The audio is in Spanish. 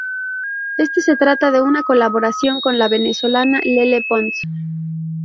Este se trata de una colaboración con la venezolana Lele Pons.